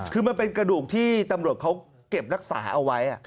คือมันเป็นกระดูกที่ตำรวจเขาเก็บรักษาเอาไว้